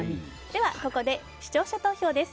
ここで視聴者投票です。